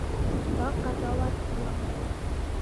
دا قضاوت ظلم دی.